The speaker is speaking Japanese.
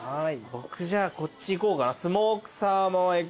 僕じゃあこっちいこうかな。